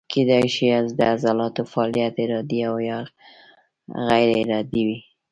کیدای شي د عضلاتو فعالیت ارادي او یا غیر ارادي وي.